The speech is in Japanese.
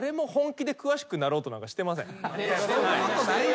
そんなことないよ